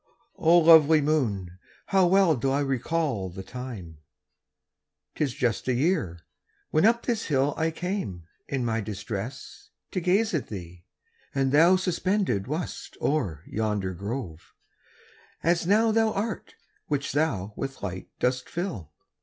O lovely moon, how well do I recall The time,—'tis just a year—when up this hill I came, in my distress, to gaze at thee: And thou suspended wast o'er yonder grove, As now thou art, which thou with light dost fill.